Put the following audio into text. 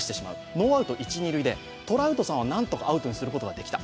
ノーアウト一・二塁でトラウトさんは、なんとかアウトにすることができた。